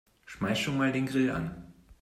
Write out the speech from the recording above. Schmeiß schon mal den Grill an.